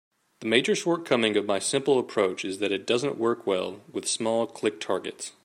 The major shortcoming of my simple approach is that it doesn't work well with small click targets.